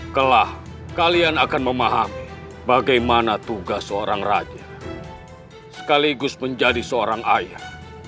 kelah kalian akan memahami bagaimana tugas seorang raja sekaligus menjadi seorang ayah